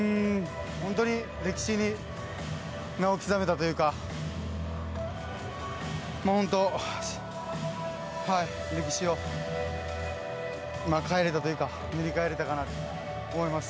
歴史に名を刻めたというか歴史を変えれたというか塗り替えられたかなと思います。